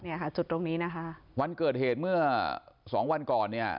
ค่ะจุดตรงนี้นะคะวันเกิดเหตุเมื่อสองวันก่อนเนี่ย